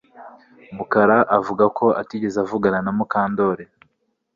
Mukara avuga ko atigeze avugana na Mukandoli